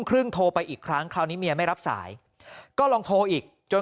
โทรไปอีกครั้งคราวนี้เมียไม่รับสายก็ลองโทรอีกจน